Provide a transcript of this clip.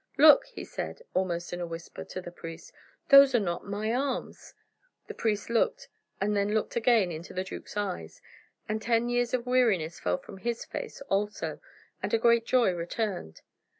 "Look," he said, almost in a whisper, to the priest, "those are not my arms!..." The priest looked, and then looked again into the duke's eyes, and ten years of weariness fell from his face also, and a great joy returned.